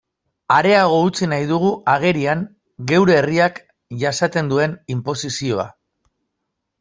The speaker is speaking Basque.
Areago utzi nahi dugu agerian geure herriak jasaten duen inposizioa.